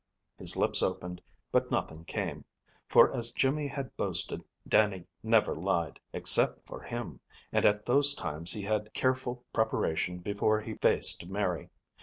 His lips opened, but nothing came; for as Jimmy had boasted, Dannie never lied, except for him, and at those times he had careful preparation before he faced Mary.